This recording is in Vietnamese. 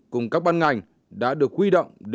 cùng các ban ngành đã được quy động